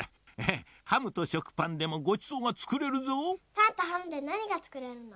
パンとハムでなにがつくれるの？